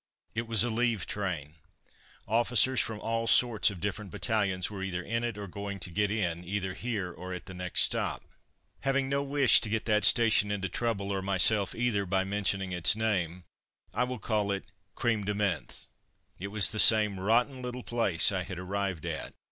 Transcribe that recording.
It was a leave train. Officers from all sorts of different battalions were either in it or going to get in, either here or at the next stop. Having no wish to get that station into trouble, or myself either, by mentioning its name, I will call it Crême de Menthe. It was the same rotten little place I had arrived at.